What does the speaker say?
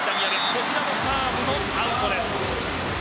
こちらのサーブもアウトです。